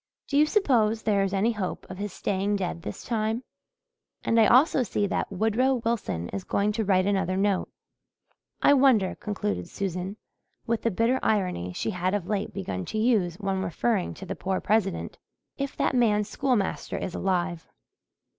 Do you suppose there is any hope of his staying dead this time? And I also see that Woodrow Wilson is going to write another note. I wonder," concluded Susan, with the bitter irony she had of late begun to use when referring to the poor President, "if that man's schoolmaster is alive."